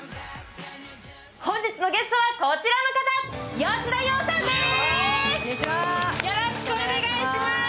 本日のゲストはこちらの方、吉田羊さんです。